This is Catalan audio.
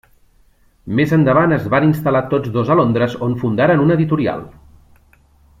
Més endavant es van instal·lar tots dos a Londres on fundaren una editorial.